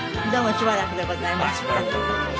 しばらくでございます。